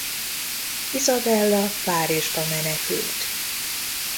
Izabella Párizsba menekült.